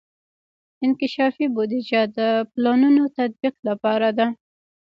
انکشافي بودیجه د پلانونو تطبیق لپاره ده.